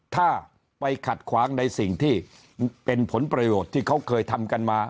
ถ้าไปขัดขวางในสิ่งที่เป็นผลประโยชน์ที่เขาเคยทำกันมา